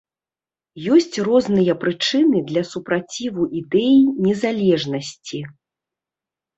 Ёсць розныя прычыны для супраціву ідэі незалежнасці.